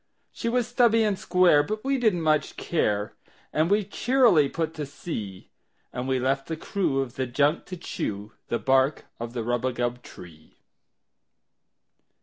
She was stubby and square, but we didn't much care, And we cheerily put to sea; And we left the crew of the junk to chew The bark of the rubagub tree.